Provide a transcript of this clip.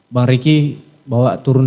bang riki bawa turun